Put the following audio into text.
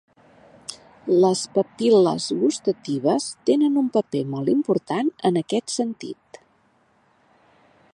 Les papil·les gustatives tenen un paper molt important en aquest sentit.